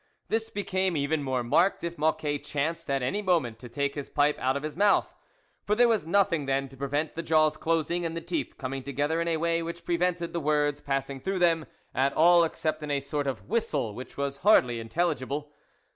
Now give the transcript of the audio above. This became even more marked if Mocquet chanced at any moment to take his pipe out of his mouth, for there was nothing then to prevent the jaws closing and the teeth coming together in a way which prevented they or ds pass ing through them at all except in a sort of whistle, which was hardly intelligible.